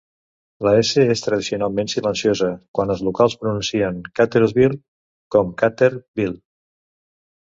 La "s" és tradicionalment silenciosa quan els locals pronuncien Kettlersville com "Kettler-ville".